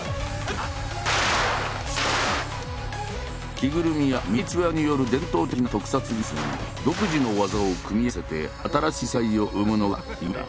着ぐるみやミニチュアによる伝統的な特撮技術に独自の技を組み合わせて新しい世界を生むのが口流だ。